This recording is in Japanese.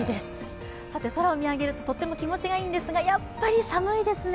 空を見上げるととても気持ちがいいんですがやっぱり寒いですね。